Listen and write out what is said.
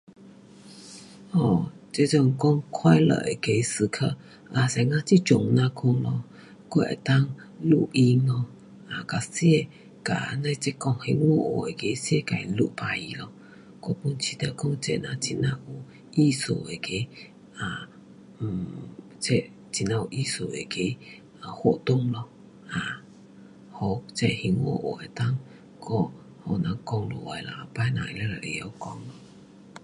um 这阵讲快乐那个时刻。呐像这阵那久咯，我能够录音 um 跟世，跟咱这讲兴华话的世界录起咯，我有觉得讲这样很有意思那个 um um 这很呀有意思那个活动咯 um。给这兴华话能够讲，给人讲下去啦，以后人全会晓讲。